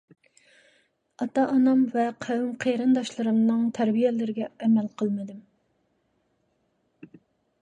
ئاتا - ئانام ۋە قوۋم - قېرىنداشلىرىمنىڭ تەربىيەلىرىگە ئەمەل قىلمىدىم.